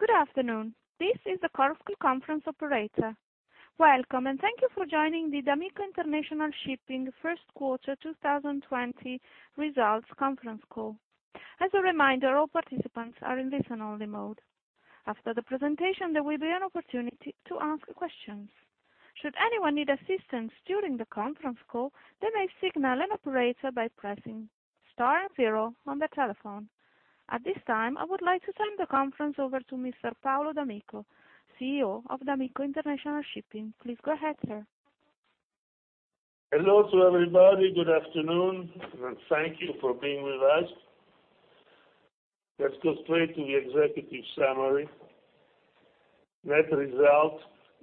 Good afternoon. This is the Chorus Call conference operator. Welcome, and thank you for joining the d'Amico International Shipping first quarter 2020 results conference call. As a reminder, all participants are in listen-only mode. After the presentation, there will be an opportunity to ask questions. Should anyone need assistance during the conference call, they may signal an operator by pressing star and zero on their telephone. At this time, I would like to turn the conference over to Mr. Paolo d'Amico, CEO of d'Amico International Shipping. Please go ahead, sir. Hello to everybody. Good afternoon, and thank you for being with us. Let's go straight to the executive summary. Net result,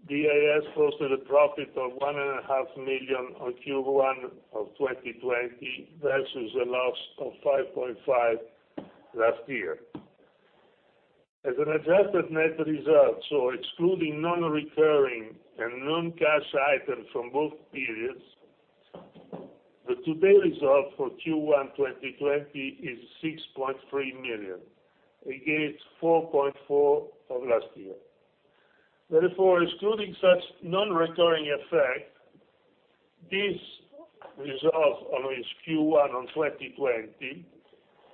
DIS posted a profit of $1.5 million on Q1 of 2020 versus a loss of $5.5 million last year. As an adjusted net result, excluding non-recurring and non-cash items from both periods, the today result for Q1 2020 is $6.3 million against $4.4 million of last year. Therefore, excluding such non-recurring effect, this result on this Q1 on 2020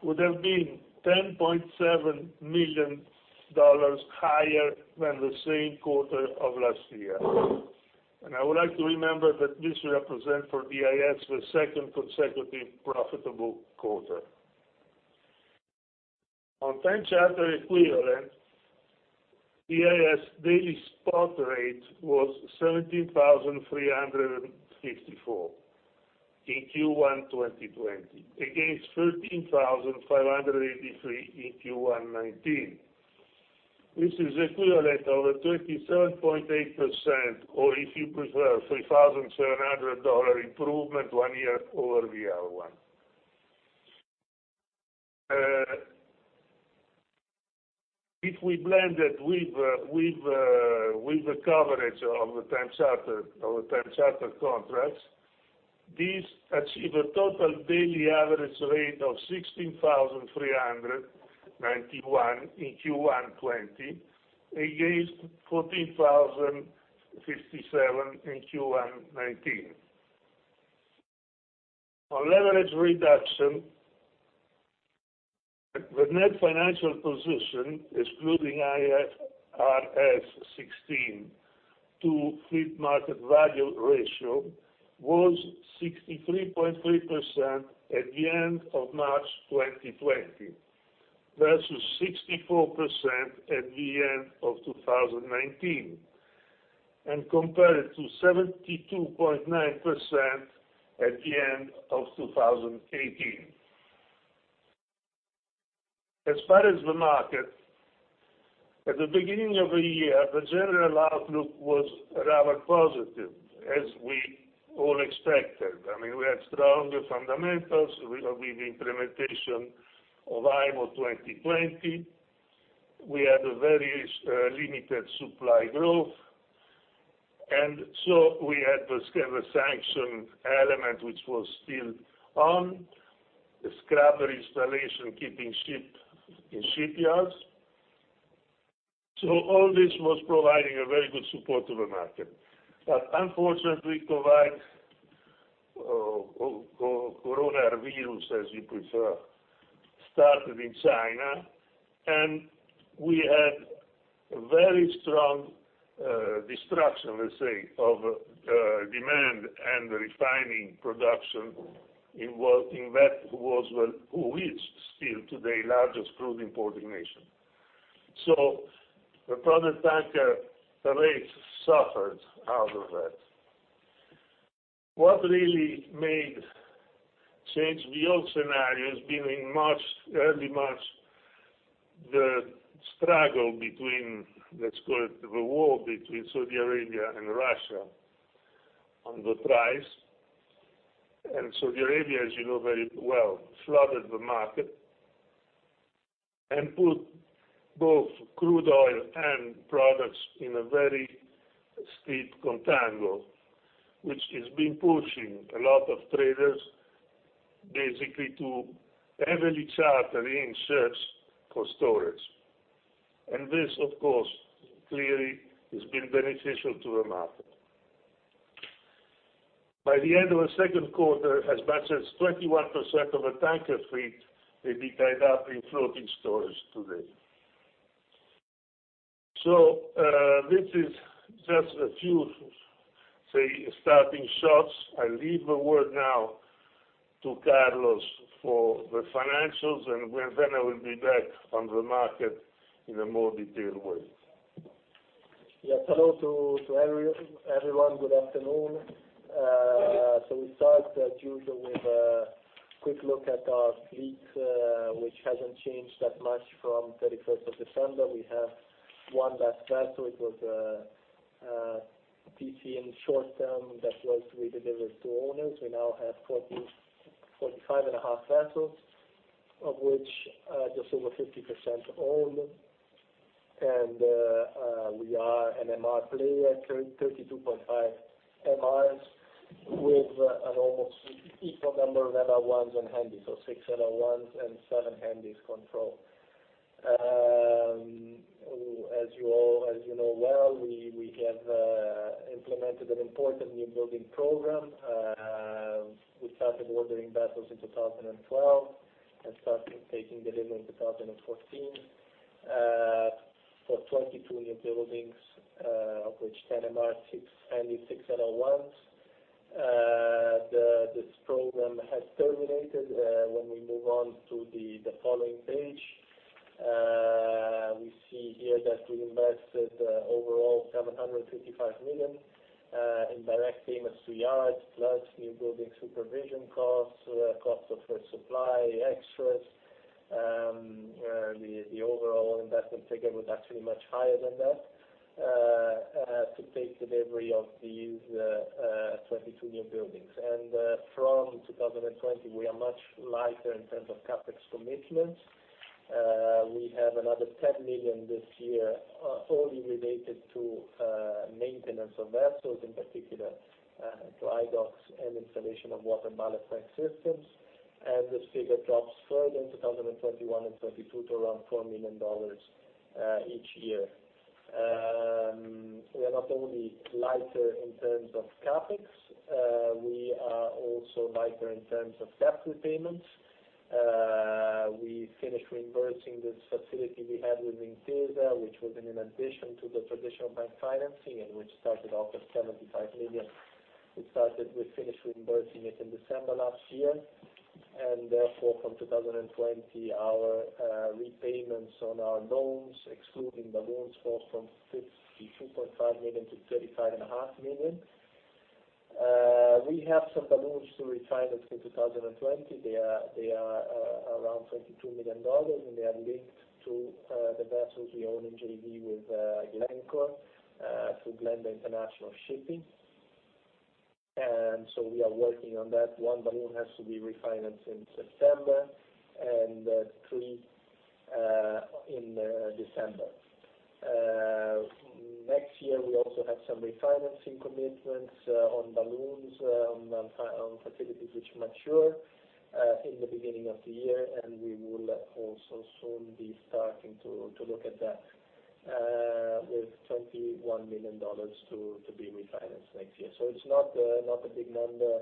would have been $10.7 million higher than the same quarter of last year. I would like to remember that this represents for DIS the second consecutive profitable quarter. On time charter equivalent, DIS daily spot rate was $17,354 in Q1 2020 against $13,583 in Q1 2019, which is equivalent over 37.8%, or if you prefer, $3,700 improvement one year-over-year one. If we blend it with the coverage of the time charter contracts, these achieve a total daily average rate of $16,391 in Q1 2020 against $14,057 in Q1 2019. On leverage reduction, the net financial position, excluding IFRS 16 to fleet market value ratio, was 63.3% at the end of March 2020 versus 64% at the end of 2019, and compared to 72.9% at the end of 2018. As far as the market, at the beginning of the year, the general outlook was rather positive, as we all expected. We had stronger fundamentals with the implementation of IMO 2020. We had a very limited supply growth. We had the scale of sanction element, which was still on the scrubber installation, keeping ship in shipyards. All this was providing a very good support to the market. Unfortunately, COVID, coronavirus, as you prefer, started in China, and we had very strong destruction, let's say, of demand and refining production in that who is still today largest crude importing nation. The product tanker rates suffered out of that. What really made change the old scenario has been in early March, the struggle between, let's call it, the war between Saudi Arabia and Russia on the price. Saudi Arabia, as you know very well, flooded the market and put both crude oil and products in a very steep contango, which has been pushing a lot of traders basically to heavily charter in search for storage. This, of course, clearly has been beneficial to the market. By the end of the second quarter, as much as 21% of the tanker fleet may be tied up in floating storage today. This is just a few, say, starting shots. I leave the word now to Carlos for the financials, and then I will be back on the market in a more detailed way. Yeah. Hello to everyone. Good afternoon. We start as usual with a quick look at our fleet, which hasn't changed that much from December 31st. We have one less vessel. It was a TC-in short term that was redelivered to owners. We now have 45.5 vessels, of which just over 50% own and MR fleet at 32.5 MRs with an almost equal number of LR1s and Handys. Six LR1s and seven Handys control. As you know well, we have implemented an important new building program. We started ordering vessels in 2012 and started taking delivery in 2014, for 22 new buildings, of which 10 MR, six Handy, six LR1s. This program has terminated. When we move on to the following page, we see here that we invested overall $755 million in direct payments to yards, plus new building supervision costs, cost of supply, extras. The overall investment figure was actually much higher than that to take delivery of these 22 new buildings. From 2020, we are much lighter in terms of CapEx commitments. We have another $10 million this year, only related to maintenance of vessels, in particular, dry docks and installation of water ballast tank systems. This figure drops further in 2021 and 2022 to around $4 million each year. We are not only lighter in terms of CapEx, we are also lighter in terms of debt repayments. We finished reimbursing this facility we had with Intesa, which was in addition to the traditional bank financing, and which started off at $75 million. We finished reimbursing it in December last year. Therefore, from 2020, our repayments on our loans, excluding the balloons, fall from $52.5 million to $35.5 million. We have some balloons to refinance in 2020. They are around $22 million. They are linked to the vessels we own in JV with Glencore, through Glenda International Shipping. We are working on that. One balloon has to be refinanced in September and three in December. Next year, we also have some refinancing commitments on balloons, on facilities which mature in the beginning of the year. We will also soon be starting to look at that with $21 million to be refinanced next year. It's not a big number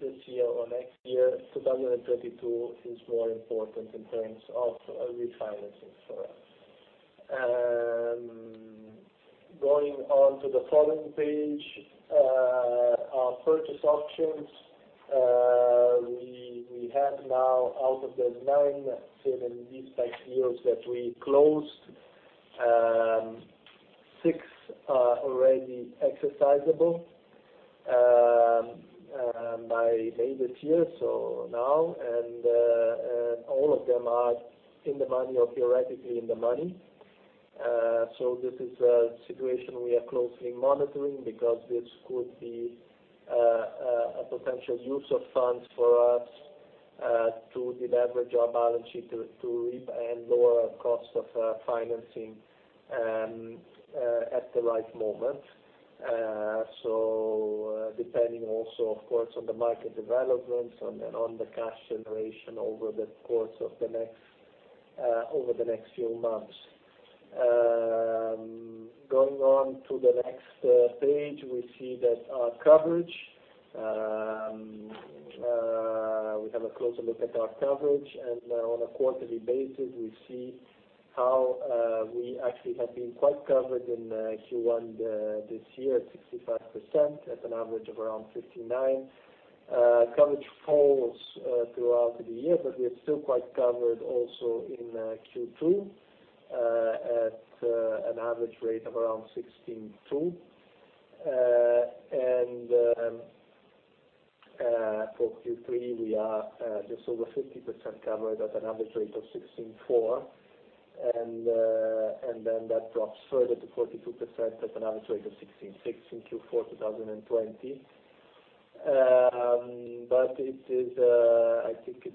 this year or next year. 2022 is more important in terms of refinancing for us. Going on to the following page, our purchase options. We have now out of the nine sale and leaseback deals that we closed, six are already exercisable by May this year, now. All of them are in the money or theoretically in the money. This is a situation we are closely monitoring because this could be a potential use of funds for us to deleverage our balance sheet to reap and lower our cost of financing at the right moment, depending also, of course, on the market developments and on the cash generation over the course of the next few months. Going on to the next page, we see that our coverage. We have a closer look at our coverage, and on a quarterly basis, we see how we actually have been quite covered in Q1 this year at 65%, at an average of around $15,900. Coverage falls throughout the year. We are still quite covered also in Q2, at an average rate of around $16,200. For Q3, we are just over 50% covered at an average rate of $16,400, and then that drops further to 42% at an average rate of $16,600 in Q4 2020. I think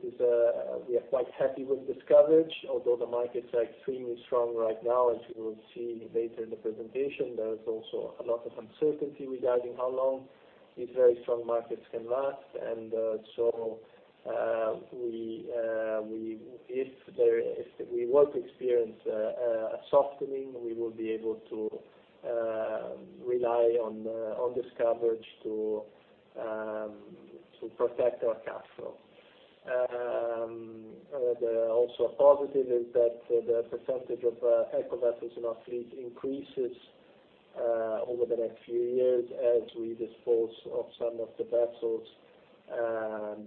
we are quite happy with this coverage, although the market's extremely strong right now, as you will see later in the presentation. There is also a lot of uncertainty regarding how long these very strong markets can last. If we were to experience a softening, we would be able to rely on this coverage to protect our cash flow. The other also positive is that the percentage of Eco vessels in our fleet increases over the next few years as we dispose of some of the vessels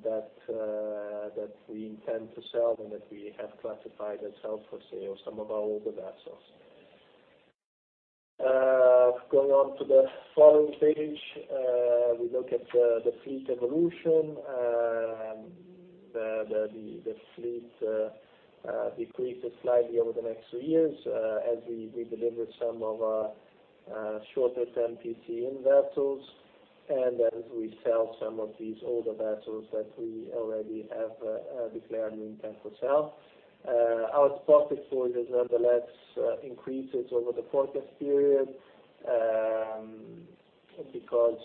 that we intend to sell and that we have classified as held for sale, some of our older vessels. Going on to the following page, we look at the fleet evolution. The fleet decreases slightly over the next three years as we deliver some of our shorter term TC-in vessels. As we sell some of these older vessels that we already have declared intent for sale. Our profitability, nonetheless, increases over the forecast period, because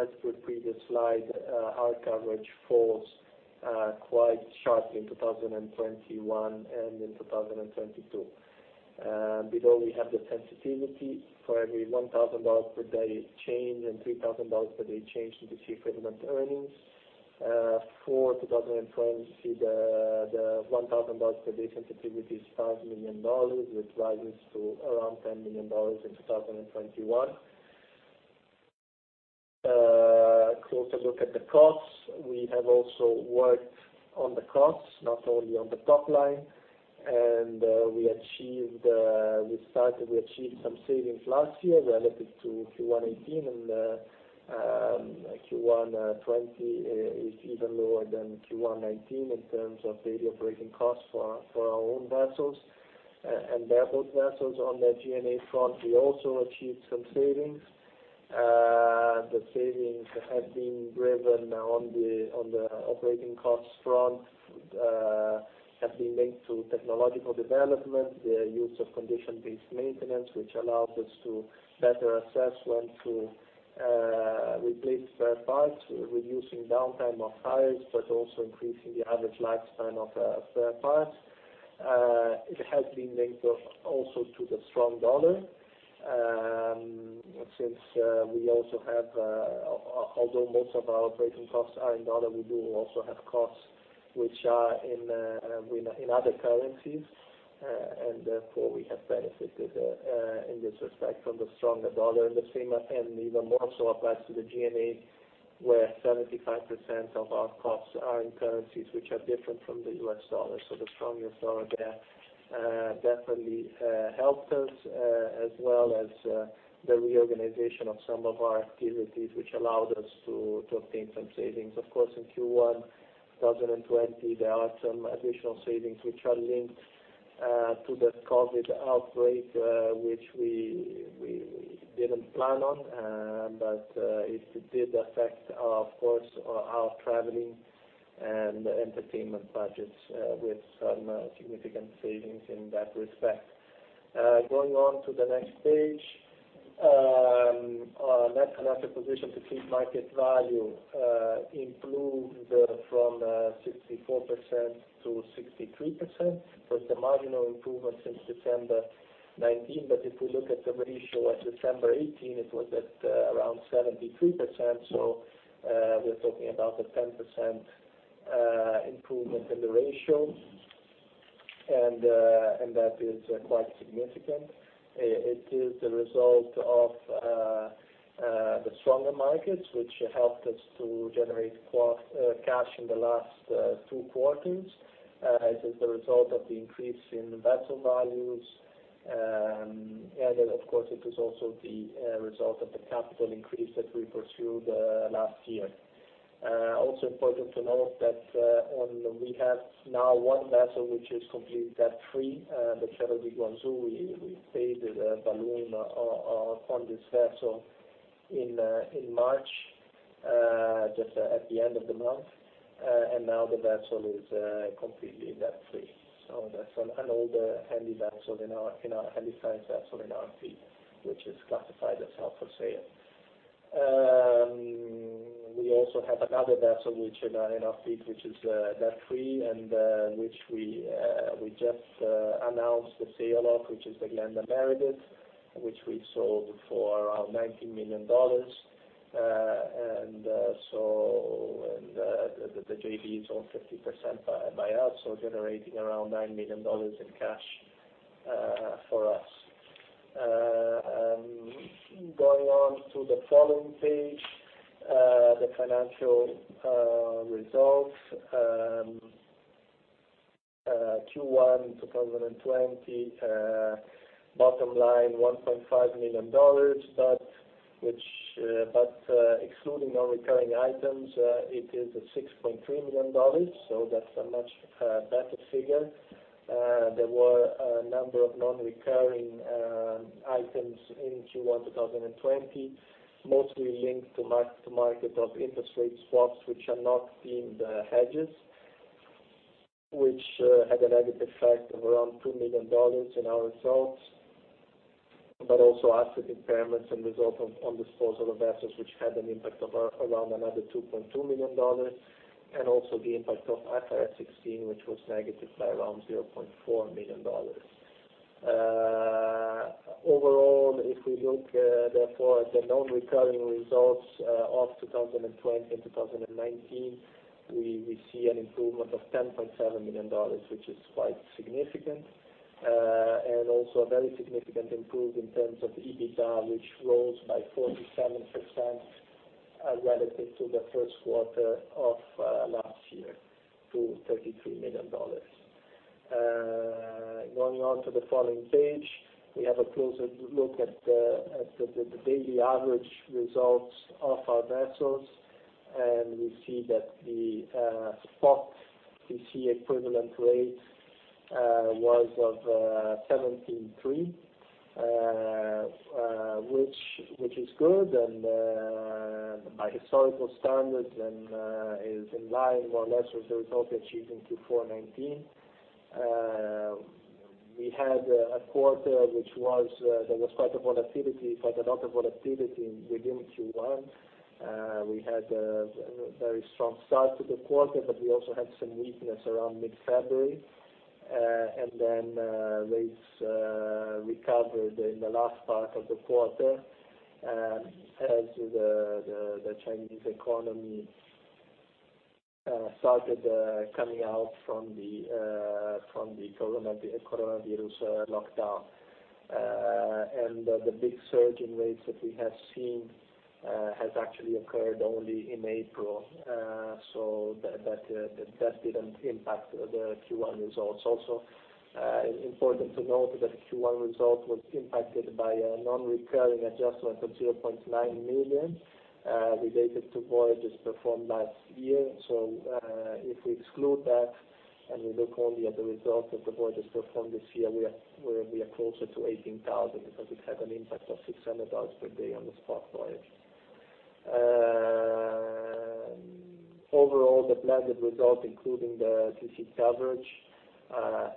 as per previous slide, our coverage falls quite sharply in 2021 and in 2022. Below we have the sensitivity for every $1,000 per day change and $3,000 per day change TC equivalent earnings. For 2020, see the $1,000 per day sensitivity is $5 million, which rises to around $10 million in 2021. A closer look at the costs. We have also worked on the costs, not only on the top line. We achieved some savings last year relative to Q1 2018, and Q1 2020 is even lower than Q1 2019 in terms of daily operating costs for our own vessels. The above vessels on the G&A front, we also achieved some savings. The savings have been driven on the operating cost front, have been made through technological development, the use of condition-based maintenance, which allows us to better assess when to replace spare parts, reducing downtime off-hires, but also increasing the average lifespan of spare parts. It has been linked also to the strong dollar. Since although most of our operating costs are in dollars, we do also have costs which are in other currencies. Therefore, we have benefited, in this respect from the stronger dollar. The same, and even more so applies to the G&A, where 75% of our costs are in currencies which are different from the U.S. dollar. The stronger U.S. dollar there definitely helped us, as well as the reorganization of some of our activities, which allowed us to obtain some savings. Of course, in Q1 2020, there are some additional savings which are linked to the COVID outbreak, which we didn't plan on. It did affect, of course, our traveling and entertainment budgets with some significant savings in that respect. Going on to the next page. Our net asset position to fleet market value improved from 64% to 63%. It's a marginal improvement since December 2019. If we look at the ratio at December 2018, it was at around 73%. We are talking about a 10% improvement in the ratio, and that is quite significant. It is the result of the stronger markets, which helped us to generate cash in the last two quarters. It is the result of the increase in vessel values. Of course, it is also the result of the capital increase that we pursued last year. Also important to note that we have now one vessel which is completely debt-free, the Cielo di Guangzhou. We paid the balloon on this vessel in March, just at the end of the month. Now the vessel is completely debt-free. That's an older Handy vessels in our Handysize vessel in our fleet, which is classified as held for sale. We also have another vessel which in our fleet, which is debt-free and which we just announced the sale of, which is the Glenda Meredith, which we sold for around $19 million. The JV is owned 50% by us, generating around $9 million in cash for us. Going on to the following page. The financial results. Q1 2020, bottom line, $1.5 million. Excluding non-recurring items, it is at $6.3 million, so that's a much better figure. There were a number of non-recurring items in Q1 2020, mostly linked to mark-to-market of interest rate swaps, which are not in the hedges, which had a negative effect of around $2 million in our results. Also asset impairments and result of on disposal of assets which had an impact of around another $2.2 million. Also the impact of IFRS 16, which was negative by around $0.4 million. Overall, if we look therefore at the non-recurring results of 2020 and 2019, we see an improvement of $10.7 million, which is quite significant. Also a very significant improvement in terms of EBITDA, which rose by 47% relative to the first quarter of last year to $33 million. Going on to the following page. We have a closer look at the daily average results of our vessels. We see that the spot TC equivalent rate was of $17,300, which is good, and by historical standards, and is in line more or less with the result achieved in Q4 2019. We had a quarter which there was quite a lot of volatility within Q1. We had a very strong start to the quarter, but we also had some weakness around mid-February. Rates recovered in the last part of the quarter as the Chinese economy started coming out from the coronavirus lockdown. The big surge in rates that we have seen has actually occurred only in April, so that didn't impact the Q1 results. Also, important to note that Q1 result was impacted by a non-recurring adjustment of $0.9 million, related to voyages performed last year. If we exclude that and we look only at the results of the voyages performed this year, we are closer to $18,000 because it had an impact of $600 per day on the spot voyage. Overall, the blended result, including the TC coverage,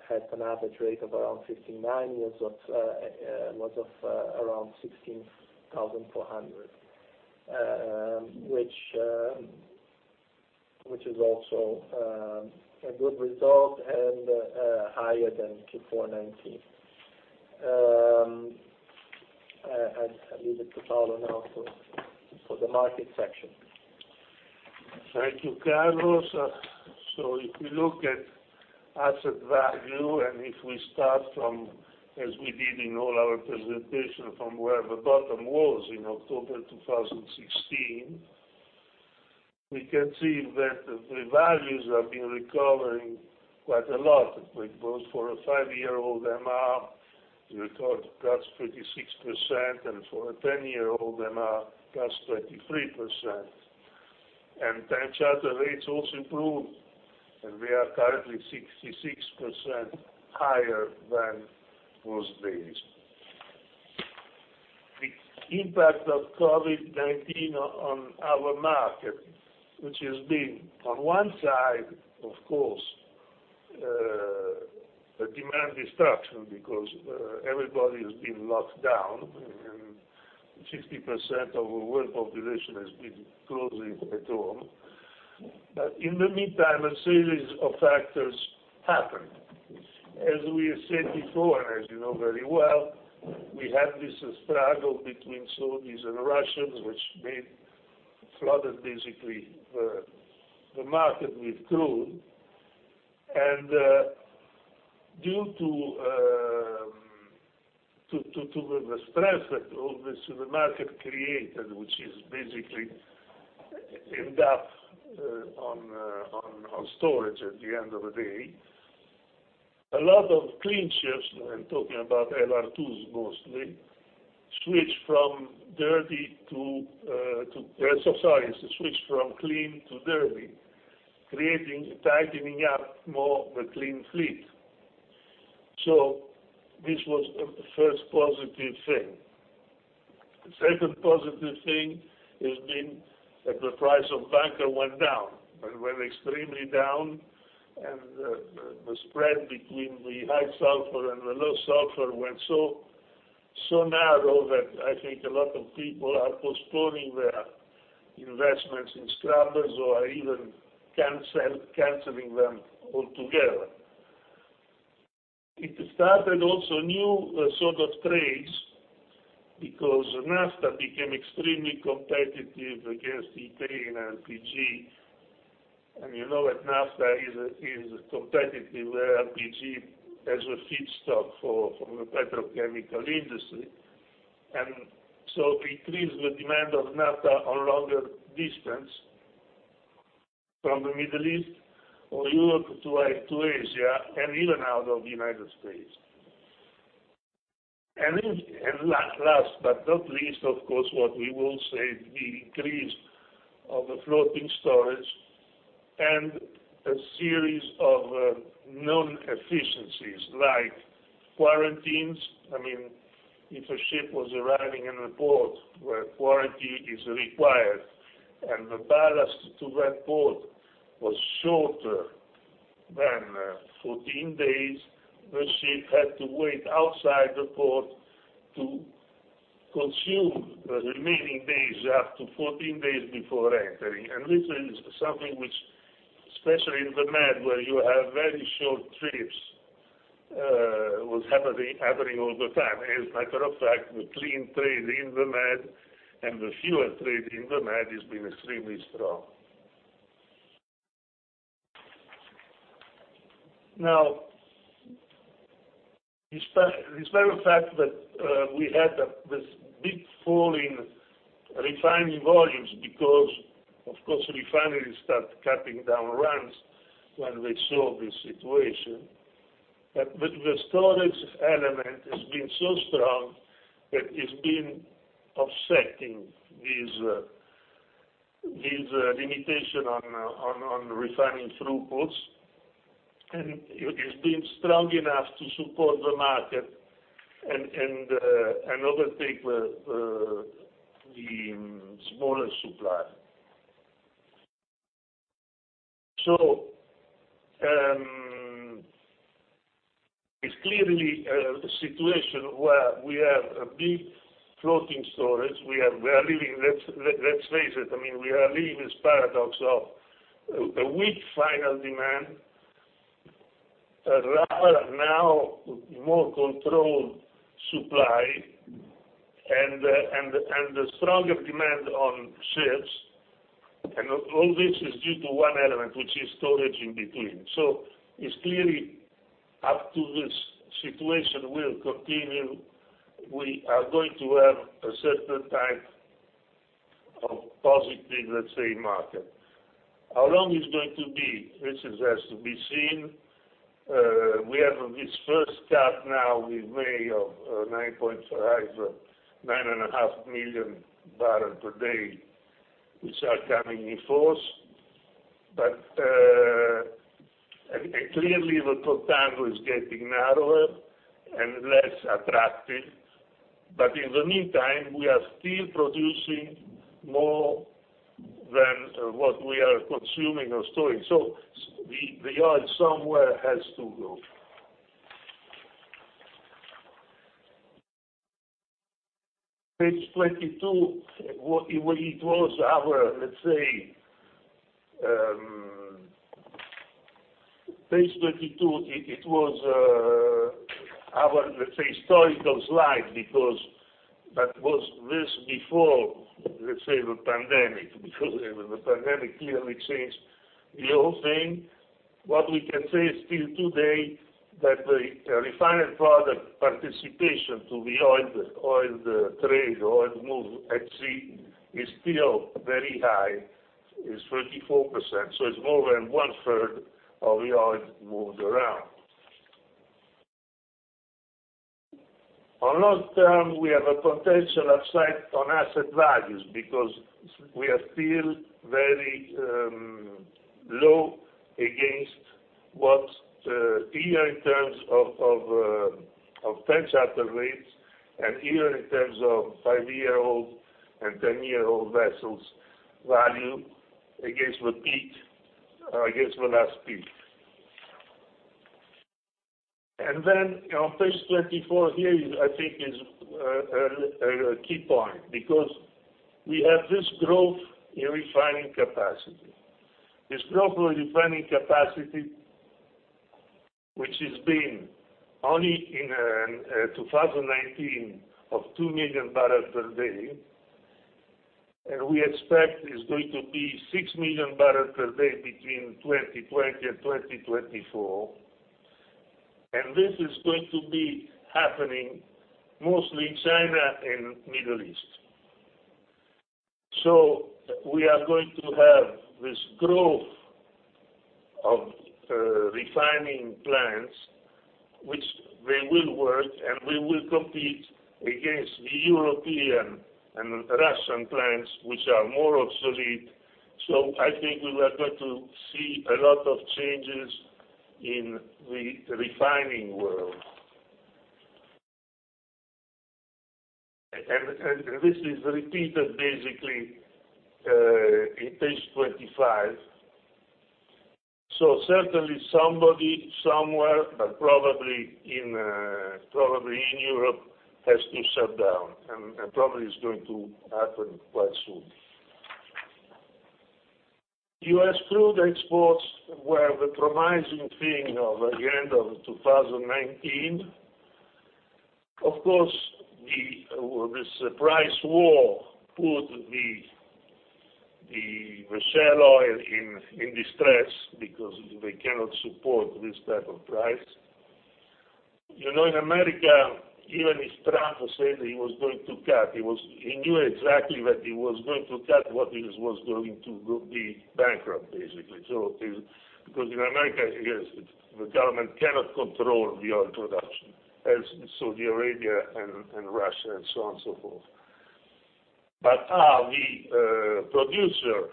had an average rate of around $15,900, was of around $16,400. Which is also a good result and higher than Q4 2019. I leave it to Paolo now for the market section. Thank you, Carlos. If we look at asset value, and if we start from, as we did in all our presentation, from where the bottom was in October 2016, we can see that the values have been recovering quite a lot. Both for a five-year-old MR, we record +36%, and for a 10-year-old MR, +23%. Time charter rates also improved, and we are currently 66% higher than those days. The impact of COVID-19 on our market, which has been on one side, of course, a demand destruction because everybody has been locked down and 60% of the world population has been closing at home. In the meantime, a series of factors happened. As we said before, and as you know very well, we had this struggle between Saudis and Russians, which flooded basically the market with crude. Due to the stress that all this the market created, which is basically end up on storage at the end of the day, a lot of clean ships, I'm talking about LR2s mostly, switch from clean to dirty, tightening up more the clean fleet. This was the first positive thing. The second positive thing has been that the price of bunker went down, and went extremely down, and the spread between the high sulfur and the low sulfur went so narrow that I think a lot of people are postponing their investments in scrubbers or are even canceling them altogether. It started also new sort of trades because naphtha became extremely competitive against ethane, LPG. You know that naphtha is competitive where LPG has a feedstock for the petrochemical industry. It increased the demand of naphtha on longer distance from the Middle East or Europe to Asia and even out of the United States. Last but not least, of course, what we will say, the increase of floating storage and a series of non-efficiencies like quarantines. If a ship was arriving in a port where quarantine is required, and the ballast to that port was shorter than 14 days, the ship had to wait outside the port to consume the remaining days up to 14 days before entering. This is something which, especially in the Med, where you have very short trips, was happening all the time. As a matter of fact, the clean trade in the Med and the fuel trade in the Med has been extremely strong. Despite the fact that we had this big fall in refining volumes because, of course, refineries start cutting down runs when they saw this situation. The storage element has been so strong that it's been offsetting these limitations on refining throughputs, and it has been strong enough to support the market and overtake the smaller supply. It's clearly a situation where we have a big floating storage. Let's face it, we are living this paradox of a weak final demand, rather now more controlled supply, and the stronger demand on ships. All this is due to one element, which is storage in between. It's clearly up to this situation will continue, we are going to have a certain type of positive, let's say, market. How long it's going to be? This is yet to be seen. We have this first step now in May of 9.5 MMbpd, which are coming in force. Clearly, the contango is getting narrower and less attractive. In the meantime, we are still producing more than what we are consuming or storing. The oil somewhere has to go. Page 22, it was our, let's say, historical slide because that was before, let's say, the pandemic, because the pandemic clearly changed the whole thing. What we can say still today, that the refined product participation to the oil trade or oil moved at sea is still very high. It's 34%, it's more than 1/3 of the oil moved around. On long term, we have a potential upside on asset values because we are still very low against what, here in terms of time charter rates, and here in terms of five-year-old and 10-year-old vessels value against the last peak. On page 24 here, I think, is a key point because we have this growth in refining capacity. This growth of refining capacity, which has been only in 2019 of 2 MMbpd, and we expect is going to be 6 MMbpd between 2020 and 2024. This is going to be happening mostly in China and Middle East. We are going to have this growth of refining plants, which they will work, and we will compete against the European and Russian plants, which are more obsolete. I think we are going to see a lot of changes in the refining world. This is repeated basically in page 25. Certainly somebody, somewhere, but probably in Europe, has to shut down, and probably is going to happen quite soon. U.S. crude exports were the promising thing of the end of 2019. Of course, this price war put the shale oil in distress because they cannot support this type of price. In America, even if Trump said he was going to cut, he knew exactly that he was going to cut what was going to be bankrupt, basically. In America, the government cannot control the oil production as in Saudi Arabia and Russia and so on and so forth. The producer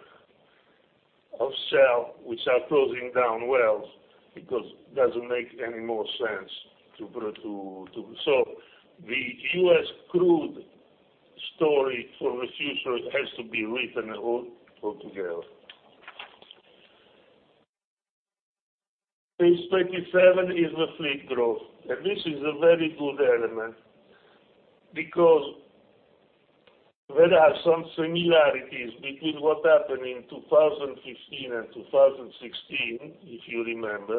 of shale, which are closing down wells because it doesn't make any more sense to. The U.S. crude story for the future has to be written all together. Page 27 is the fleet growth, and this is a very good element because there are some similarities between what happened in 2015 and 2016, if you remember,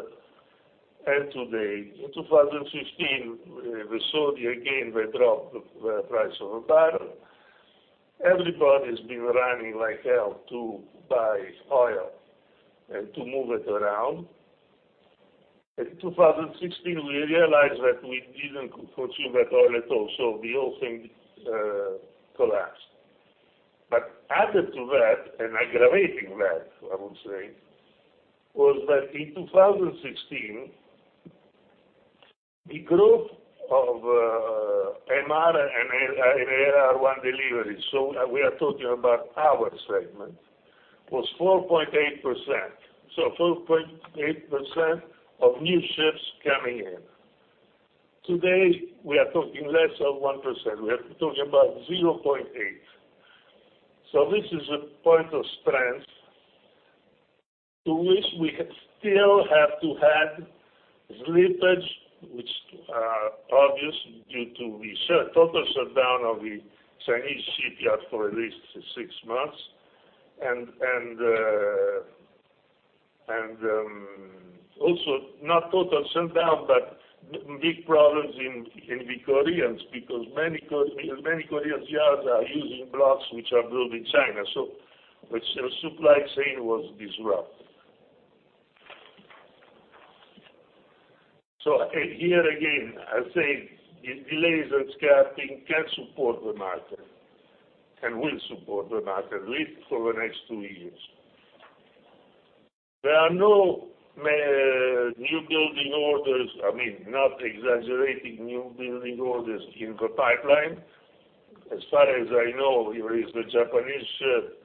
and today. In 2015, the Saudi, again, they dropped the price of a barrel. Everybody's been running like hell to buy oil and to move it around. In 2016, we realized that we didn't consume that oil at all. The whole thing collapsed. Added to that, and aggravating that, I would say, was that in 2016, the growth of MR and LR1 deliveries, so we are talking about our segment, was 4.8%, so 4.8% of new ships coming in. Today, we are talking less than 1%. We are talking about 0.8%. This is a point of strength, to which we still have to add slippage, which are obvious due to the total shutdown of the Chinese shipyards for at least six months. Not total shutdown, but big problems in the Koreans, because many Korean yards are using blocks which are built in China, so the supply chain was disrupted. Here again, I think delays and scrapping can support the market, and will support the market, at least for the next two years. There are no new building orders, I mean, not exaggerated new building orders in the pipeline. As far as I know, there is the Japanese ship,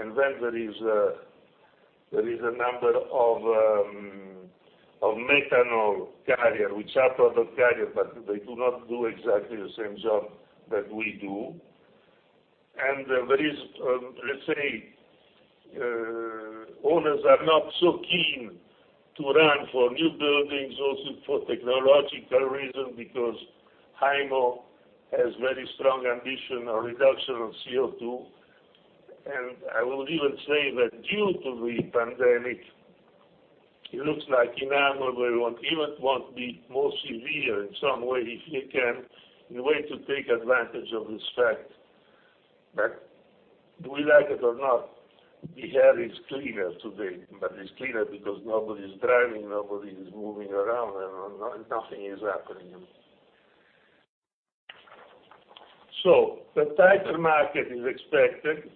and then there is a number of methanol carrier, which are product carrier, but they do not do exactly the same job that we do. There is, let's say, owners are not so keen to run for new buildings, also for technological reasons, because IMO has very strong ambition on reduction of CO2. I will even say that due to the pandemic, it looks like IMO everyone even want to be more severe in some way if they can, in a way to take advantage of this fact. Do we like it or not, the air is cleaner today, but it's cleaner because nobody's driving, nobody is moving around and nothing is happening. The tighter market is expected.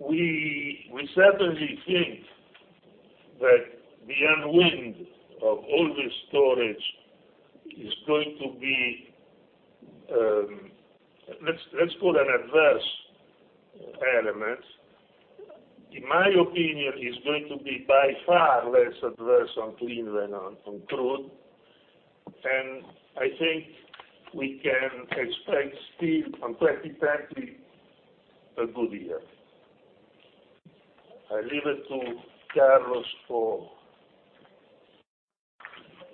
We certainly think that the unwind of all this storage is going to be, let's call it an adverse element. In my opinion, it's going to be by far less adverse on clean than on crude. I think we can expect still on 2020, a good year. I leave it to Carlos for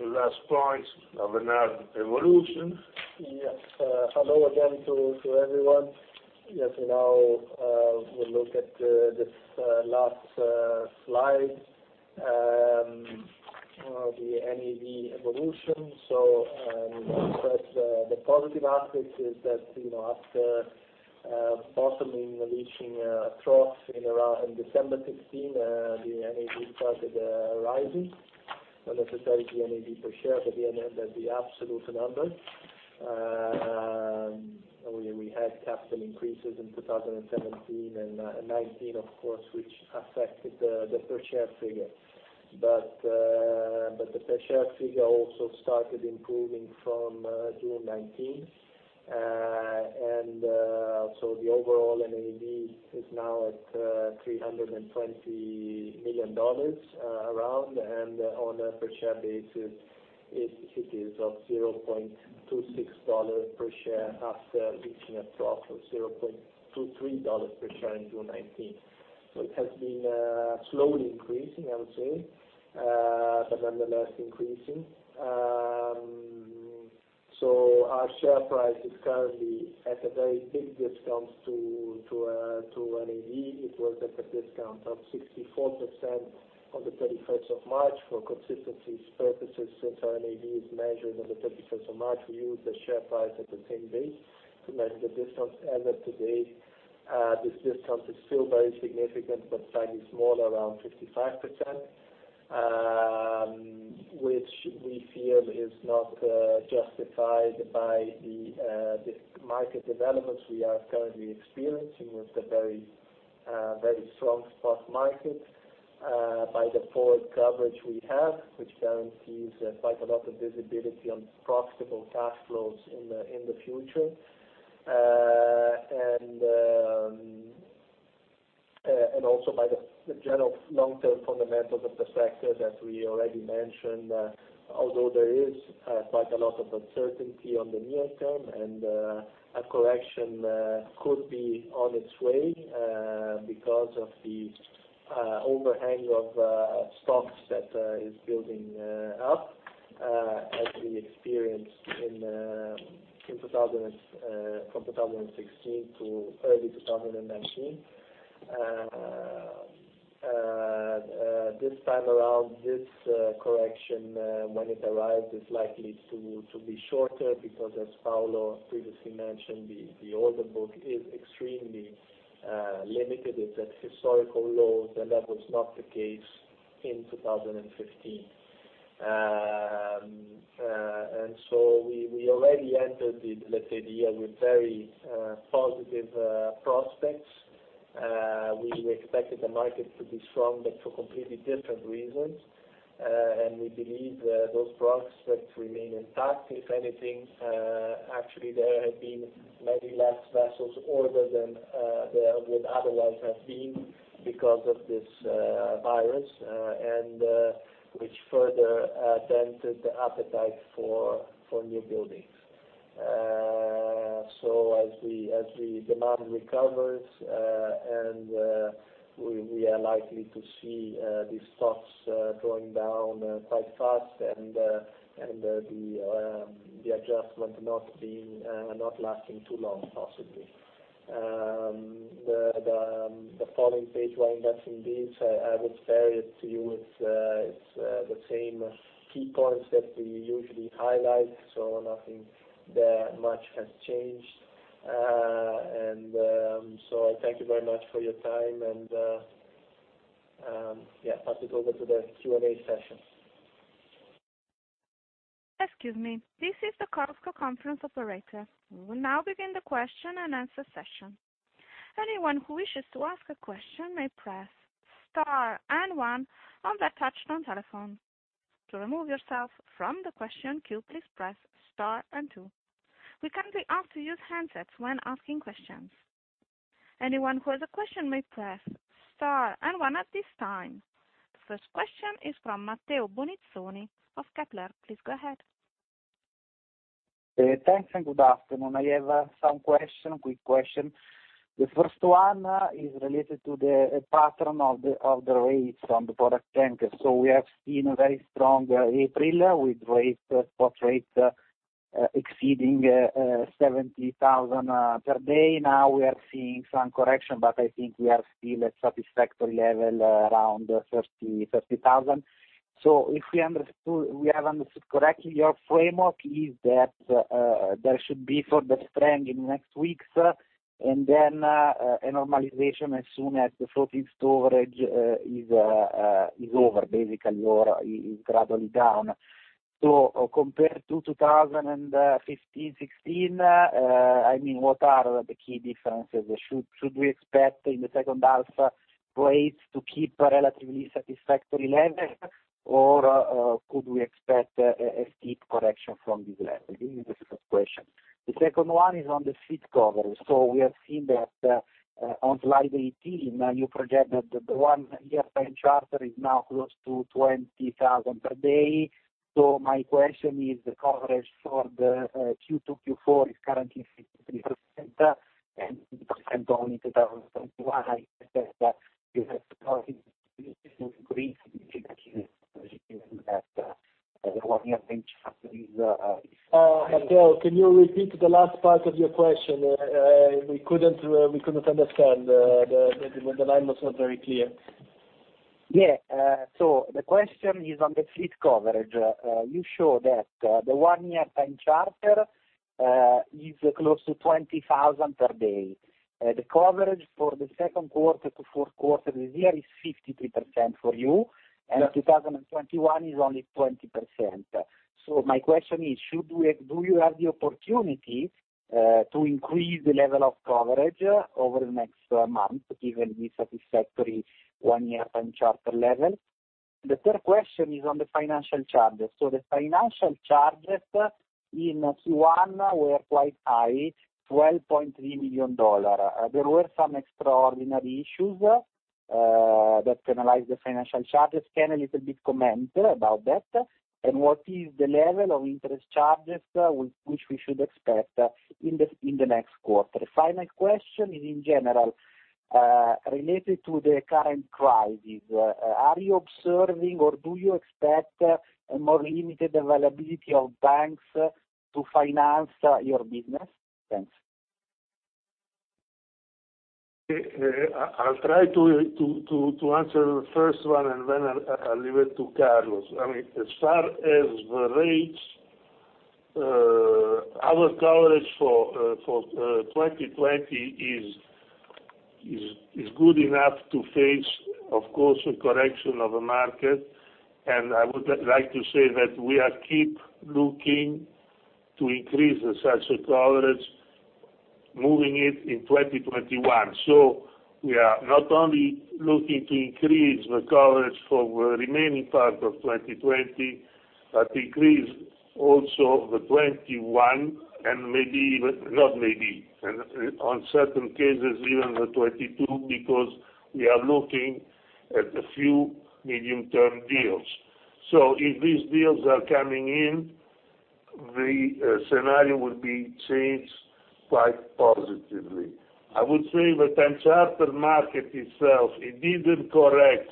the last point of NAV evolution. Hello again to everyone. Now we look at this last slide, the NAV evolution. First, the positive aspect is that after bottoming, reaching a trough in December 2016, the NAV started rising. Not necessarily NAV per share, but the absolute number. We had capital increases in 2017 and 2019, of course, which affected the per share figure. The per share figure also started improving from June 2019. The overall NAV is now at $320 million around, and on a per share basis, it is of $0.26 per share after reaching a trough of $0.23 per share in June 2019. It has been slowly increasing, I would say, but nonetheless increasing. Our share price is currently at a very big discount to NAV. It was at a discount of 64% on March 31st. For consistency purposes, since our NAV is measured on the March 31st, we use the share price at the same date to measure the discount. As of today, this discount is still very significant, but slightly smaller, around 55%, which we feel is not justified by the market developments we are currently experiencing with the very strong spot market, by the forward coverage we have, which guarantees quite a lot of visibility on profitable cash flows in the future. Also by the general long-term fundamentals of the sector, as we already mentioned, although there is quite a lot of uncertainty on the near term and a correction could be on its way, because of the overhang of stocks that is building up, as we experienced from 2016 to early 2019. This time around, this correction, when it arrives, is likely to be shorter because as Paolo previously mentioned, the order book is extremely limited. It's at historical lows, and that was not the case in 2015. We already entered the, let's say, the year with very positive prospects. We expected the market to be strong, but for completely different reasons. We believe those prospects remain intact. If anything, actually, there have been maybe less vessels ordered than there would otherwise have been because of this virus, and which further dented the appetite for new buildings. As demand recovers, we are likely to see these stocks going down quite fast and the adjustment not lasting too long, possibly. The following page, Why invest in DIS, I would spare it to you. It's the same key points that we usually highlight, so nothing that much has changed. I thank you very much for your time, and pass it over to the Q&A session. Excuse me. This is the Chorus Call conference operator. We will now begin the question-and-answer session. Anyone who wishes to ask a question may press star and one on their touch-tone telephone. To remove yourself from the question queue, please press star and two. We kindly ask to use handsets when asking questions. Anyone who has a question may press star and one at this time. The first question is from Matteo Bonizzoni of Kepler. Please go ahead. Thanks. Good afternoon. I have some quick question. The first one is related to the pattern of the rates on the product tanker. We have seen a very strong April with spot rates exceeding $70,000 per day. Now we are seeing some correction, but I think we are still at satisfactory level around $30,000. If we have understood correctly, your framework is that there should be further strength in the next weeks, and then a normalization as soon as the floating storage is over, basically, or is gradually down. Compared to 2015, 2016, what are the key differences? Should we expect in the second half rates to keep a relatively satisfactory level? Could we expect a steep correction from this level? This is the first question. The second one is on the fleet coverage. We have seen that on slide 18, you project that the one-year time charter is now close to $20,000 per day. My question is the coverage for the Q2, Q4 is currently 53%, and going into 2021, you have to increase given that the one-year time charter is Matteo, can you repeat the last part of your question? We couldn't understand. The line was not very clear. The question is on the fleet coverage. You show that the one-year time charter is close to $20,000 per day. The coverage for the second quarter to fourth quarter this year is 53% for you, and 2021 is only 20%. My question is, do you have the opportunity to increase the level of coverage over the next month given the satisfactory one-year time charter level? The third question is on the financial charges. The financial charges in Q1 were quite high, $12.3 million. There were some extraordinary issues that penalize the financial charges. Can you please comment about that? What is the level of interest charges which we should expect in the next quarter? Final question is in general related to the current crisis. Are you observing or do you expect a more limited availability of banks to finance your business? Thanks. I'll try to answer the first one, and then I'll leave it to Carlos. As far as the rates, our coverage for 2020 is good enough to face, of course, a correction of the market. I would like to say that we keep looking to increase the size of coverage, moving it in 2021. We are not only looking to increase the coverage for the remaining part of 2020, but increase also the 2021, and maybe even, not maybe, and on certain cases, even the 2022, because we are looking at a few medium-term deals. If these deals are coming in, the scenario will be changed quite positively. I would say the time charter market itself, it didn't correct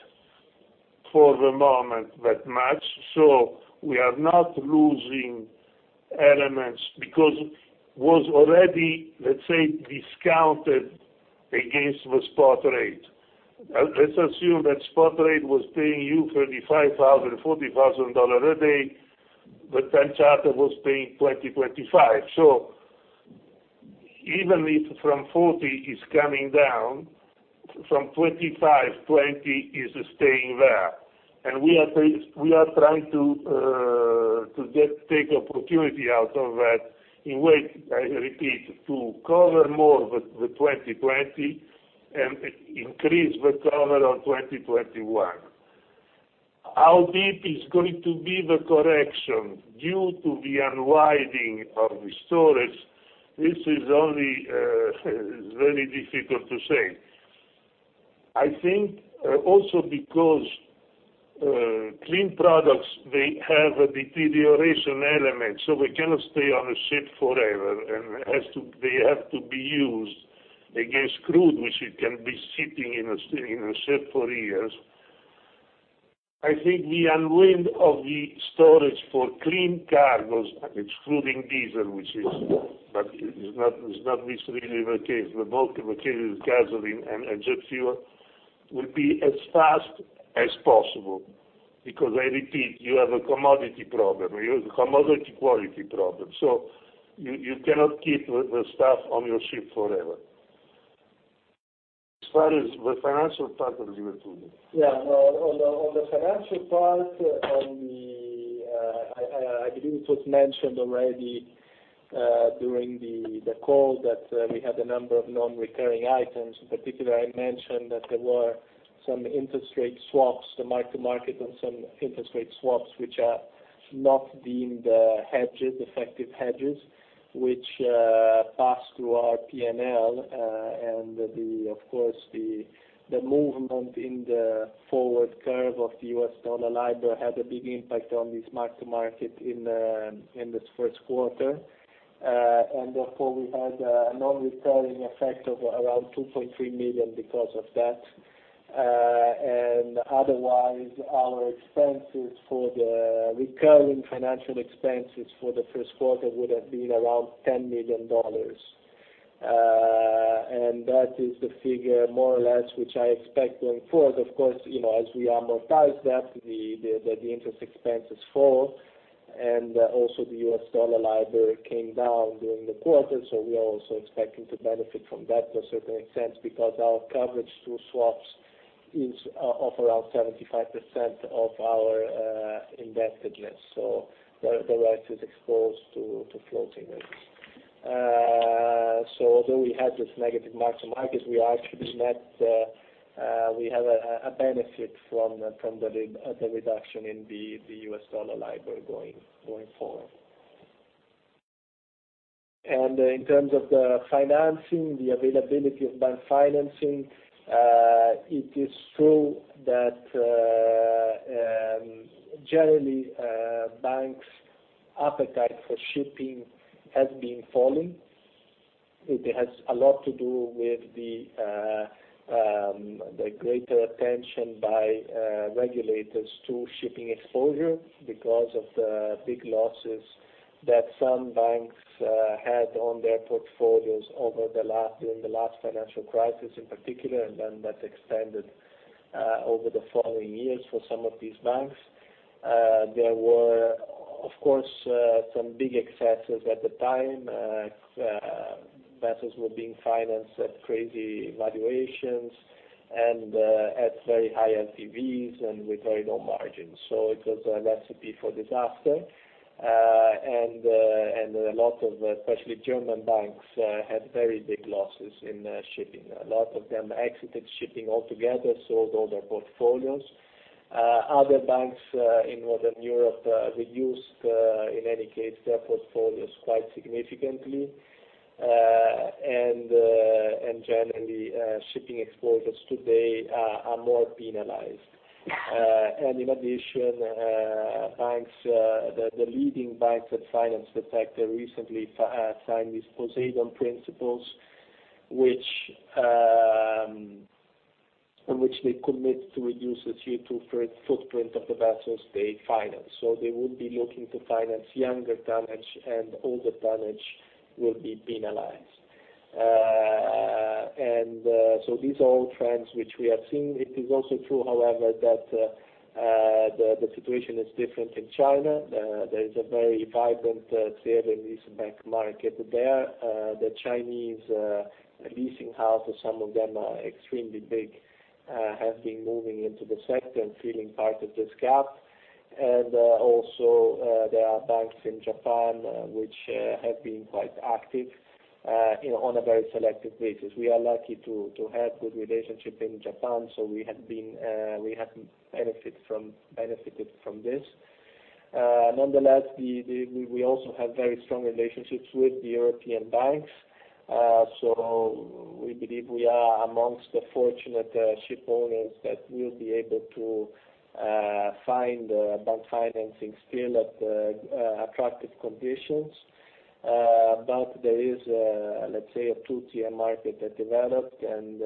for the moment that much, so we are not losing elements because was already, let's say, discounted against the spot rate. Let's assume that spot rate was paying you $35,000, $40,000 a day, but time charter was paying $20, $25. Even if from 40 is coming down, from 25, 20 is staying there. We are trying to take opportunity out of that in a way, I repeat, to cover more the 2020 and increase the cover of 2021. How deep is going to be the correction due to the unwinding of the storage? This is only very difficult to say. I think also because clean products, they have a deterioration element, so they cannot stay on a ship forever. They have to be used against crude, which it can be sitting in a ship for years. I think the unwind of the storage for clean cargoes, excluding diesel, which is not really the case. The bulk of the case is gasoline and jet fuel, will be as fast as possible because I repeat, you have a commodity problem. You have a commodity quality problem. You cannot keep the stuff on your ship forever. As far as the financial part, I'll leave it to you. Yeah. On the financial part, I believe it was mentioned already during the call that we had a number of non-recurring items. In particular, I mentioned that there were some interest rate swaps, the mark-to-market on some interest rate swaps, which are not deemed effective hedges, which pass through our P&L. Of course, the movement in the forward curve of the U.S. dollar LIBOR had a big impact on this mark-to-market in this first quarter. Therefore, we had a non-recurring effect of around $2.3 million because of that. Otherwise, our expenses for the recurring financial expenses for the first quarter would have been around $10 million. That is the figure, more or less, which I expect going forward. Of course, as we amortize that, the interest expenses fall, and also the U.S. dollar LIBOR came down during the quarter. We are also expecting to benefit from that to a certain extent because our coverage through swaps is of around 75% of our indebtedness. The rest is exposed to floating rates. Although we had this negative mark-to-market, we actually net we have a benefit from the reduction in the U.S. dollar LIBOR going forward. In terms of the financing, the availability of bank financing, it is true that generally banks' appetite for shipping has been falling. It has a lot to do with the greater attention by regulators to shipping exposure because of the big losses that some banks had on their portfolios during the last financial crisis in particular, and then that extended over the following years for some of these banks. There were, of course, some big excesses at the time. Vessels were being financed at crazy valuations and at very high LTVs and with very low margins. It was a recipe for disaster. A lot of, especially German banks, had very big losses in shipping. A lot of them exited shipping altogether, sold all their portfolios. Other banks in Northern Europe reduced, in any case, their portfolios quite significantly. Generally, shipping exposures today are more penalized. In addition, the leading banks that finance the sector recently signed these Poseidon Principles, on which they commit to reduce the CO2 footprint of the vessels they finance. They would be looking to finance younger tonnage, and older tonnage will be penalized. These are all trends which we have seen. It is also true, however, that the situation is different in China. There is a very vibrant, sale and leaseback market there. The Chinese leasing houses, some of them are extremely big, have been moving into the sector and filling part of this gap. Also, there are banks in Japan which have been quite active on a very selective basis. We are lucky to have good relationships in Japan, so we have benefited from this. Nonetheless, we also have very strong relationships with the European banks. We believe we are amongst the fortunate ship owners that will be able to find bank financing still at attractive conditions. There is a, let's say, a two-tier market that developed, and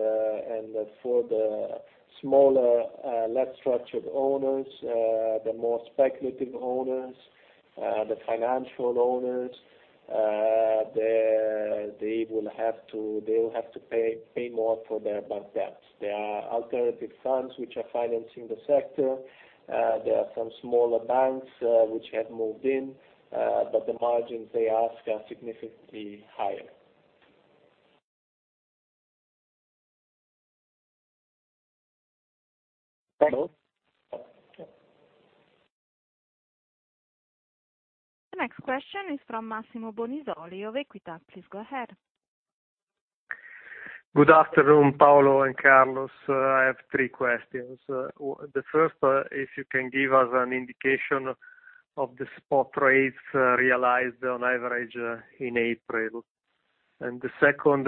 for the smaller, less structured owners, the more speculative owners, the financial owners, they will have to pay more for their bank debts. There are alternative funds which are financing the sector. There are some smaller banks which have moved in, but the margins they ask are significantly higher. Hello? The next question is from Massimo Bonisoli of Equita. Please go ahead. Good afternoon, Paolo and Carlos. I have three questions. The first, if you can give us an indication of the spot rates realized on average in April. The second,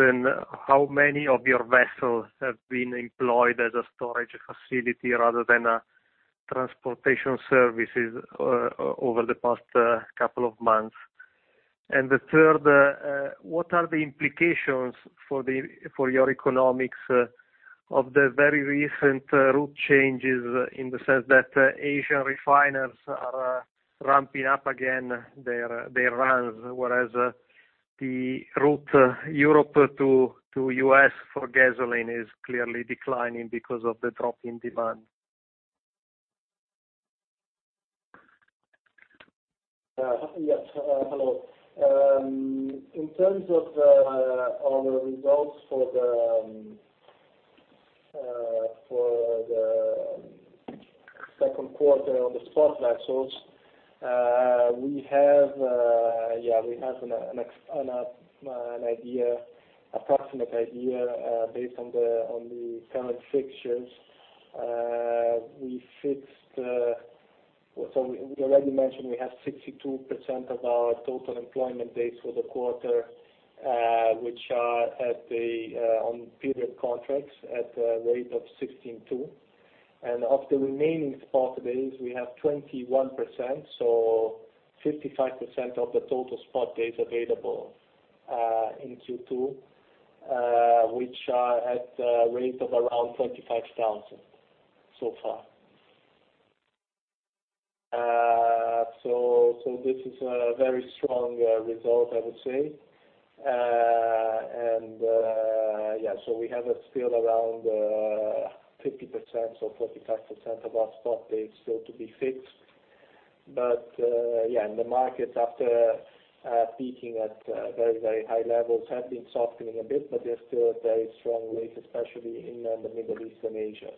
how many of your vessels have been employed as a storage facility rather than transportation services over the past couple of months? The third, what are the implications for your economics of the very recent route changes, in the sense that Asian refiners are ramping up again their runs, whereas the route Europe to U.S. for gasoline is clearly declining because of the drop in demand? Yes. Hello. In terms of our results for the second quarter on the spot vessels, we have an approximate idea, based on the current fixtures. We already mentioned we have 62% of our total employment days for the quarter, which are on period contracts at a rate of $16,200. Of the remaining spot days, we have 21%, so 55% of the total spot days available in Q2, which are at a rate of around $25,000 so far. This is a very strong result, I would say. We have still around 50% or 45% of our spot days still to be fixed. The market, after peaking at very high levels, have been softening a bit, but they're still very strong rates, especially in the Middle East and Asia.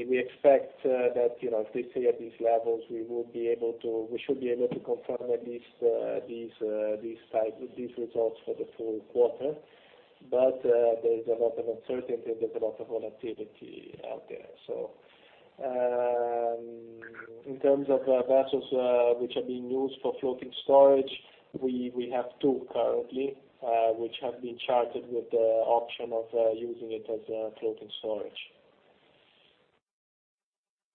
We expect that, if they stay at these levels, we should be able to confirm at least these results for the full quarter. There is a lot of uncertainty, and there's a lot of volatility out there. In terms of vessels which are being used for floating storage, we have two currently, which have been chartered with the option of using it as floating storage.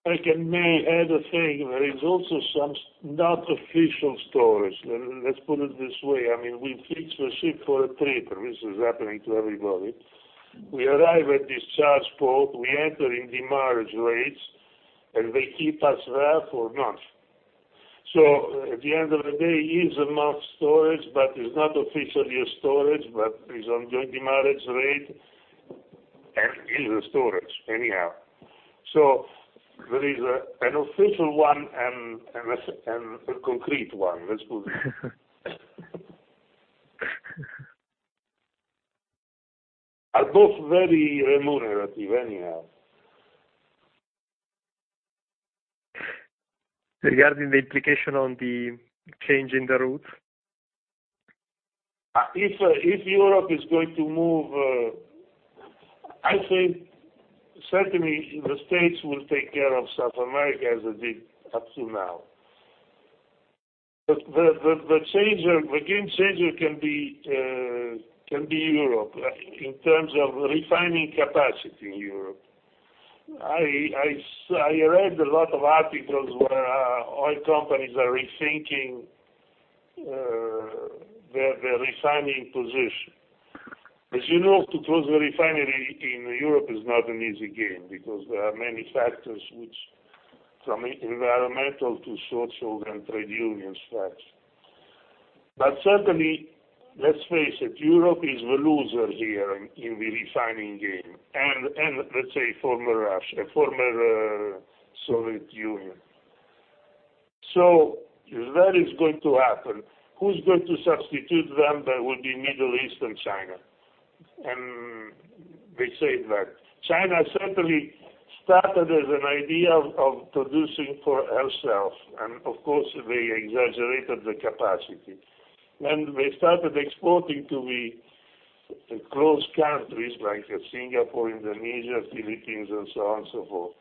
If I may add a thing, there is also some not official storage. Let's put it this way: we fix the ship for a trader. This is happening to everybody. We arrive at discharge port, we enter in demurrage rates, they keep us there for a month. At the end of the day, it is a month storage, but it's not officially a storage, but is enjoying demurrage rate, and is a storage anyhow. There is an official one and a concrete one, let's put it that way. They are both very remunerative anyhow. Regarding the implication on the change in the route? If Europe is going to move, I think certainly the U.S. will take care of South America as they did up to now. The game changer can be Europe in terms of refining capacity in Europe. I read a lot of articles where oil companies are rethinking their refining position. As you know, to close a refinery in Europe is not an easy game, because there are many factors, from environmental to social and trade unions factors. Certainly, let's face it, Europe is the loser here in the refining game, and let's say former Soviet Union. That is going to happen. Who's going to substitute them? That would be Middle East and China, and they say that. China certainly started as an idea of producing for herself, and of course, they exaggerated the capacity. They started exporting to the close countries like Singapore, Indonesia, Philippines, and so on and so forth.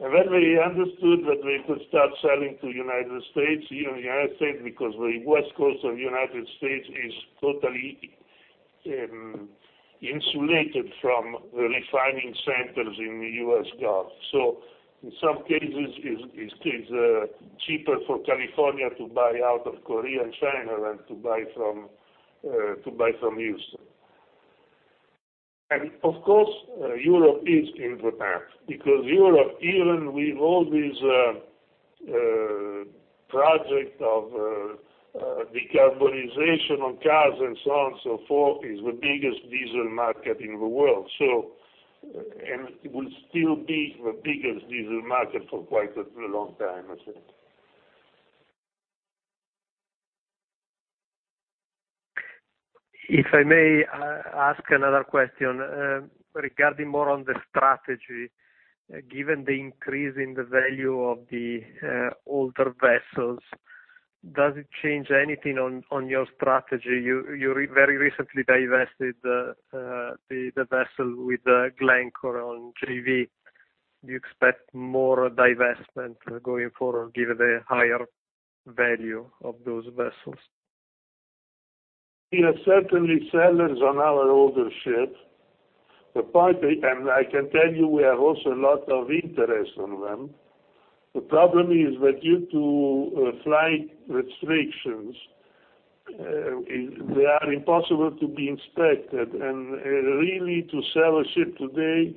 They understood that they could start selling to United States, even United States, because the West Coast of the United States is totally insulated from the refining centers in the U.S. Gulf. In some cases, it's cheaper for California to buy out of Korea and China than to buy from Houston. Of course, Europe is in the path because Europe, even with all these project of decarbonization on cars and so on and so forth, is the biggest diesel market in the world. It will still be the biggest diesel market for quite a long time, I think. If I may ask another question regarding more on the strategy. Given the increase in the value of the older vessels, does it change anything on your strategy? You very recently divested the vessel with Glencore on JV. Do you expect more divestment going forward, given the higher value of those vessels? We are certainly sellers on our older ships. I can tell you we have also a lot of interest on them. The problem is that due to flight restrictions, they are impossible to be inspected. Really to sell a ship today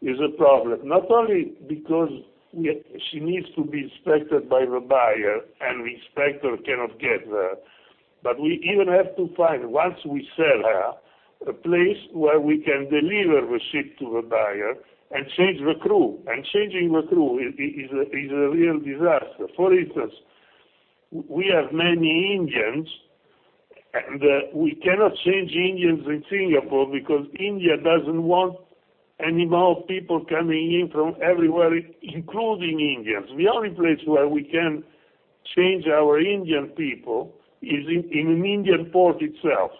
is a problem. Not only because she needs to be inspected by the buyer and the inspector cannot get there, but we even have to find, once we sell her, a place where we can deliver the ship to the buyer and change the crew. Changing the crew is a real disaster. For instance, we have many Indians, and we cannot change Indians in Singapore because India doesn't want any more people coming in from everywhere, including Indians. The only place where we can change our Indian people is in an Indian port itself.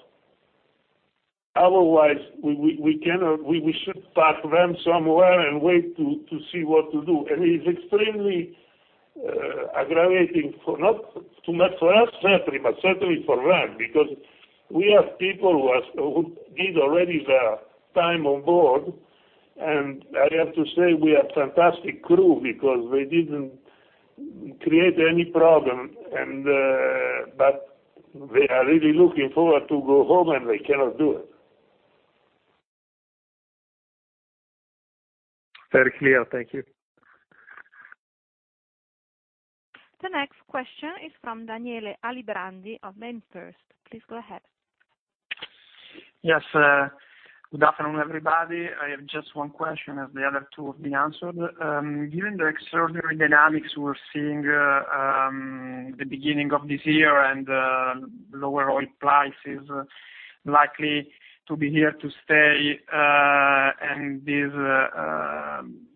Otherwise, we should park them somewhere and wait to see what to do. It is extremely aggravating, not too much for us, certainly, but certainly for them, because we have people who did already their time on board. I have to say, we have fantastic crew because they didn't create any problem. They are really looking forward to go home, and they cannot do it. Very clear. Thank you. The next question is from Daniele Alibrandi of MainFirst. Please go ahead. Yes. Good afternoon, everybody. I have just one question as the other two have been answered. Given the extraordinary dynamics we're seeing the beginning of this year and lower oil prices likely to be here to stay, and this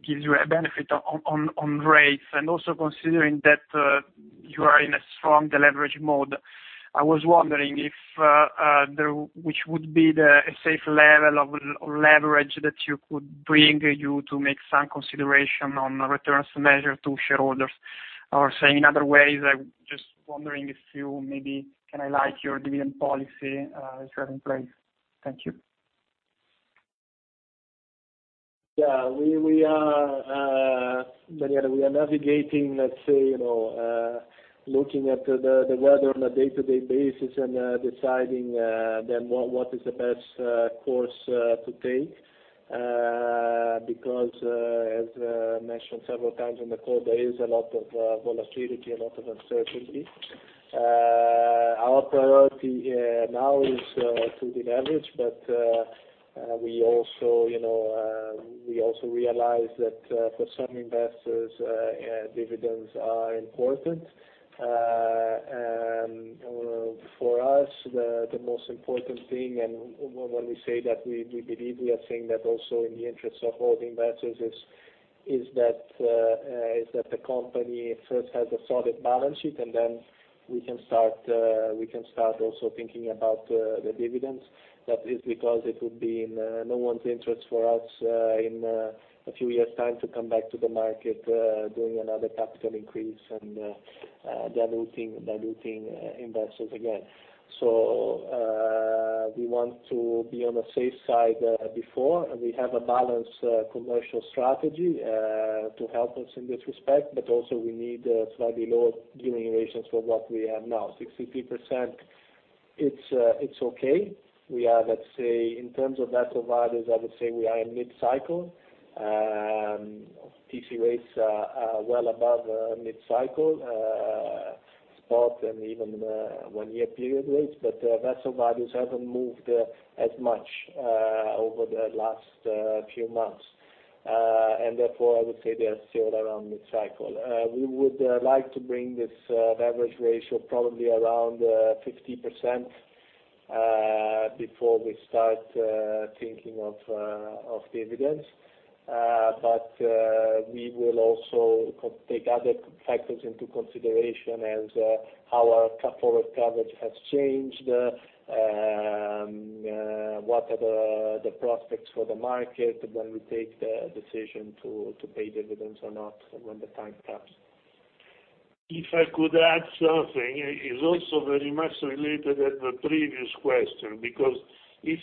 gives you a benefit on rates, and also considering that you are in a strong de-leverage mode, I was wondering which would be the safe level of leverage that you could bring you to make some consideration on returns measure to shareholders? Saying in other ways, I'm just wondering if you maybe can highlight your dividend policy you have in place. Thank you. Yeah, Daniele, we are navigating, let's say, looking at the weather on a day-to-day basis and deciding then what is the best course to take. As mentioned several times on the call, there is a lot of volatility, a lot of uncertainty. Our priority now is to de-leverage, but we also realize that for some investors, dividends are important. For us, the most important thing, and when we say that we believe, we are saying that also in the interest of all the investors, is that the company first has a solid balance sheet, and then we can start also thinking about the dividends. That is because it would be in no one's interest for us in a few years' time to come back to the market doing another capital increase and diluting investors again. We want to be on the safe side before. We have a balanced commercial strategy to help us in this respect, also we need slightly lower gearing ratios for what we have now. 63%, it's okay. In terms of vessel values, I would say we are in mid-cycle. TC rates are well above mid-cycle, spot and even one-year period rates, vessel values haven't moved as much over the last few months. Therefore, I would say they are still around mid-cycle. We would like to bring this leverage ratio probably around 50% before we start thinking of dividends. We will also take other factors into consideration as how our CapEx coverage has changed, what are the prospects for the market when we take the decision to pay dividends or not when the time comes. If I could add something, it's also very much related as the previous question, because if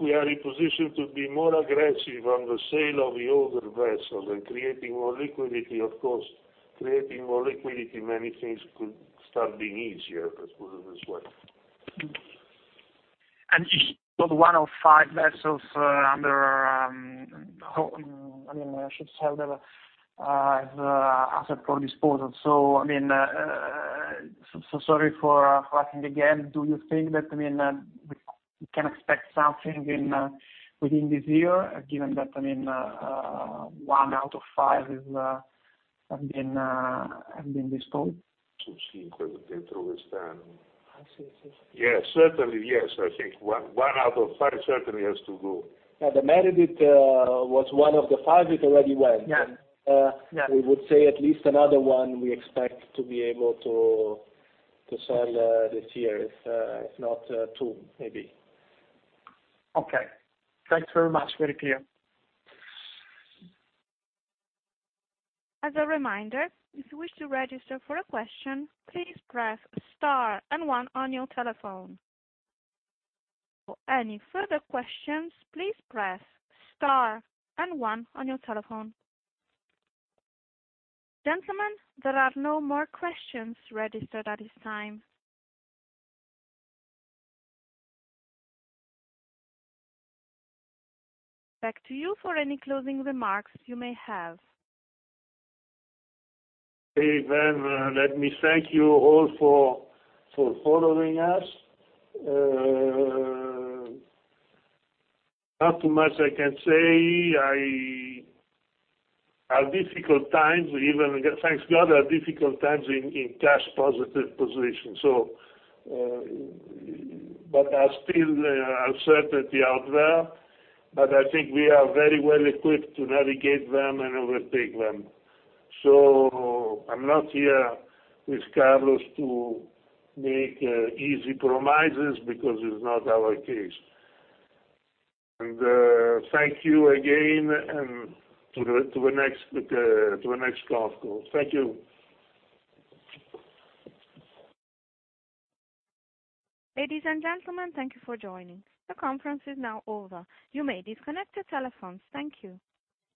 we are in position to be more aggressive on the sale of the older vessels and creating more liquidity, of course, creating more liquidity, many things could start being easier, let's put it this way. You've got five vessels under, I should say, the asset for disposal. Sorry for asking again. Do you think that we can expect something within this year, given that one out of five have been disposed? Yes, certainly, yes. I think one out of five certainly has to go. The Meredith was one of the five. It already went. Yeah. We would say at least another one, we expect to be able to sell this year, if not two, maybe. Okay. Thanks very much. Very clear. As a reminder, if you wish to register for a question, please press star and one on your telephone. For any further questions, please press star and one on your telephone. Gentlemen, there are no more questions registered at this time. Back to you for any closing remarks you may have. Okay, let me thank you all for following us. Not too much I can say. Thanks to God, are difficult times in cash positive positions. Still uncertainty out there, but I think we are very well equipped to navigate them and overtake them. I'm not here with Carlos to make easy promises because it's not our case. Thank you again, and to the next conference call. Thank you. Ladies and gentlemen, thank you for joining. The conference is now over. You may disconnect your telephones. Thank you.